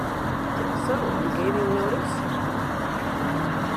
So you gave him notice?